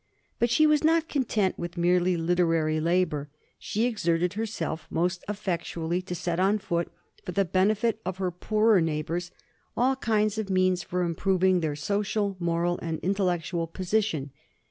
But she was not content with merely literary labour; she exerted herself most effectually to set on foot, for the benefit of her poorer neighbours, all kinds of means for improving their social, moral, and intellectual position.